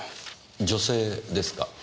女性ですか。